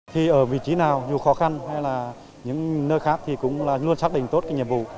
thì ở vị trí nào dù khó khăn hay là những nơi khác thì cũng là luôn xác định tốt cái nhiệm vụ